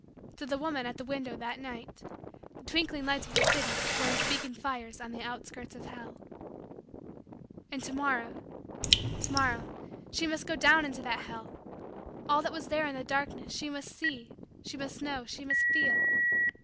To the woman at the window, that night, the twinkling lights of the city were as beacon fires on the outskirts of hell. And to morrow to morrow she must go down into that hell. All that was there in the darkness, she must see, she must know, she must feel.